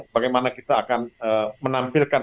bagaimana kita akan menampilkan